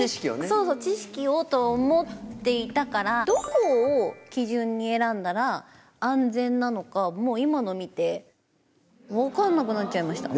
そう知識をと思っていたからどこを基準に選んだら安全なのかもう今の見て分かんなくなっちゃいました。